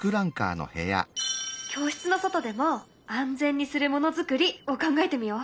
教室の外でも安全にするものづくりを考えてみよう。